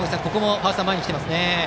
ファーストが前に来ていますね。